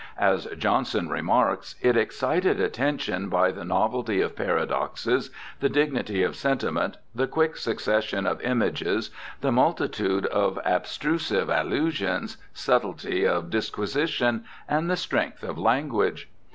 As Johnson remarks, ' It excited attention 262 BIOGRAPHICAL ESSAYS by the novelty of paradoxes, the dignity of sentiment, the quick succession of images, the multitude of abstru sive allusions, subtility of disquisition, and the strength of language.'